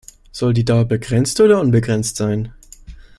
Soll die Dauer begrenzt oder unbegrenzt sein?